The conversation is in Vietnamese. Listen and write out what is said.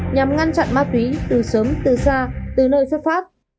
nhằm ngăn chặn ma túy từ sớm từ xa từ nơi xuất phát